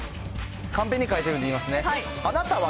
カンペに書いてるんで言いますね。